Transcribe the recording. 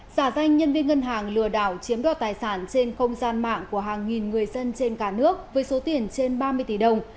giả danh nhân viên ngân hàng lừa đảo chiếm đoạt tài sản trên không gian mạng của hàng nghìn người dân trên cả nước với số tiền trên ba mươi tỷ đồng